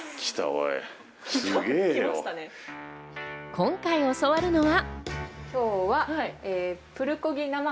今回教わるのは。